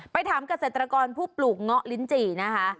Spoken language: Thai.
ถามเกษตรกรผู้ปลูกเงาะลิ้นจี่นะคะ